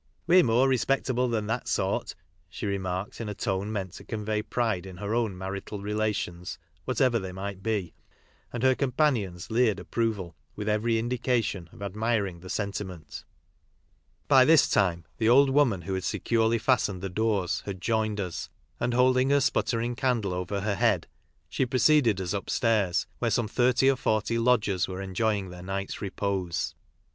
" We're more respectable than that sort," she remarked in a tone meant to convey pride in her own marital relations, whatever they might be, and her companions leered approval with every indication of admiring the, sentiment, G CRIMINAL MAM^STER WHAT FOLLOWED IN CHARTER STREET, By this time tiie old woman, who had securely fastened the doors, had joined us, and holding her sputtering candle over her head, she preceded us upstairs, where some thirty or forty lodgers were enjoying their night's reposs.